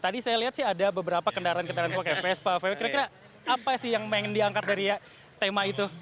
tadi saya lihat sih ada beberapa kendaraan kendaraan pakai vespa vw kira kira apa sih yang pengen diangkat dari tema itu